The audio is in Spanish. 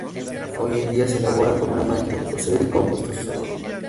Hoy día, se elaboran con máquina de coser y con costosos adornos.